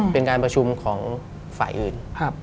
เป็นการประชุมของฝ่ายอื่น